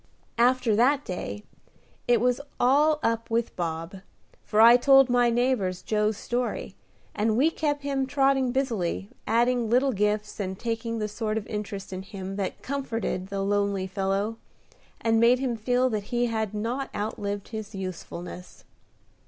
After that day it was all up with Bob, for I told my neighbors Joe's story, and we kept him trotting busily, adding little gifts, and taking the sort of interest in him that comforted the lonely fellow, and made him feel that he had not outlived his usefulness.